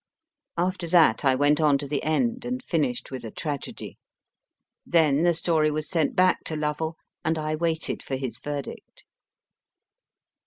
After that I went on to the end and finished with a tragedy. Then the story was sent back to Lovell, and I waited for his verdict.